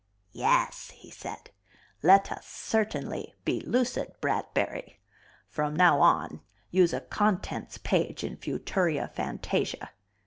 "Yes," he said, "let us, certainly be lucid, Bradbury. From now on use a contents page in Futuria Fantasia."